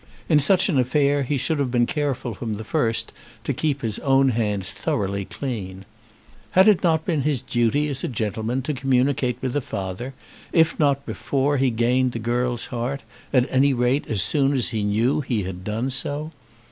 In such an affair he should have been careful from the first to keep his own hands thoroughly clean. Had it not been his duty as a gentleman to communicate with the father, if not before he gained the girl's heart, at any rate as soon as he knew he had done so?